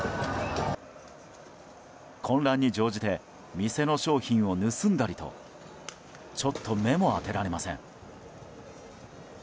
混乱に乗じて店の商品を盗んだりとちょっと目も当てられません。